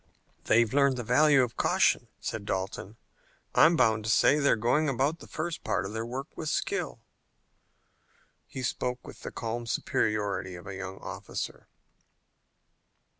"They've learned the value of caution," said Dalton. "I'm bound to say they're going about the first part of their work with skill." He spoke with the calm superiority of a young Officer.